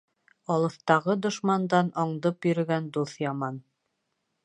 Алыҫтағы дошмандан аңдып йөрөгән дуҫ яман.